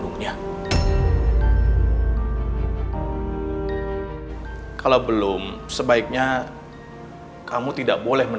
mau tidak mau pak aldebaran harus setuju untuk dites dna